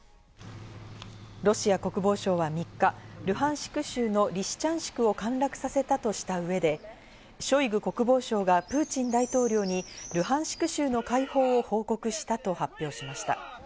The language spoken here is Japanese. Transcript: ロシア国防省は３日、ルハンシク州のリシチャンシクを陥落させたとした上で、ショイグ国防相がプーチン大統領にルハンシク州の解放を報告したと発表しました。